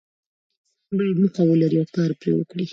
انسان باید موخه ولري او کار پرې وکړي.